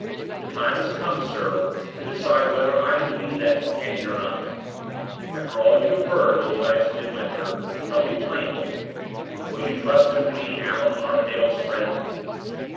The time has come, sir, to decide whether I am to be that companion or not. After all you have heard of Ozias Midwinter, tell me plainly, will you trust him to be Allan Armadale's friend?"